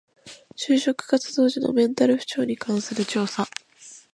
就職活動時のメンタル不調に関する調査